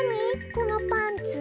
このパンツ。